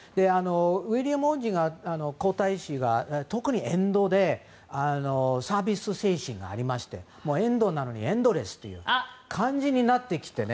ウィリアム皇太子が特に沿道でサービス精神がありまして沿道なのにエンドレスという感じになってきてね